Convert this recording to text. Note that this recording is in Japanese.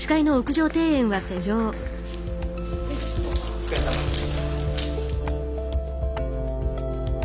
お疲れさまです。